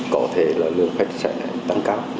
có thể là lượng khách sẽ tăng cao